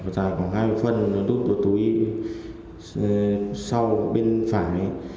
tài khoảng hai mươi phân nó đút vào túi sau bên phải